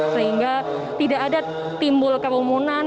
sehingga tidak ada timbul kerumunan